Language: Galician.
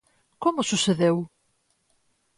Como sucedeu?